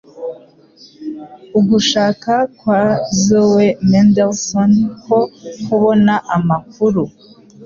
Ugushaka kwa Zoe Mendelson ko kubona amakuru